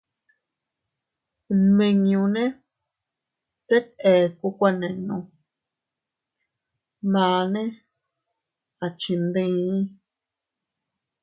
Nmiñunne tet ekku kuaninnu, manne a chindii.